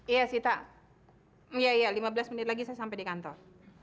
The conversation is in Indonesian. iya sita iya iya lima belas menit lagi saya sampai di kantor